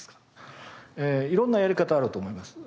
色んなやり方あると思います。